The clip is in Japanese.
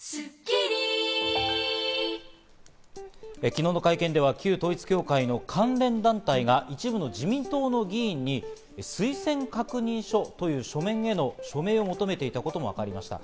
昨日の会見では旧統一教会の関連団体が一部の自民党の議員に推薦確認書という書面への署名を求めていたこともわかりました。